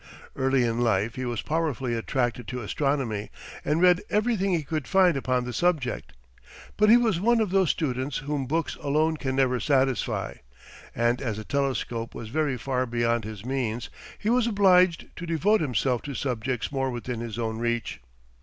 Early in life he was powerfully attracted to astronomy, and read everything he could find upon the subject. But he was one of those students whom books alone can never satisfy; and as a telescope was very far beyond his means he was obliged to devote himself to subjects more within his own reach.